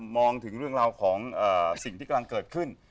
มองถึงเรื่องราวของสิ่งที่กำลังเกิดขึ้น